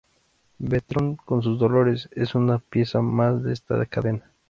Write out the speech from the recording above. Bretón, con su Dolores, es una pieza más de esta cadena.